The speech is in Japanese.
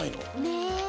ねえ。